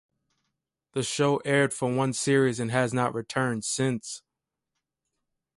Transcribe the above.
The show aired for one series and has not returned since.